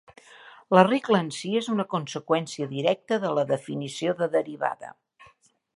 La regla en si és una conseqüència directa de la definició de derivada.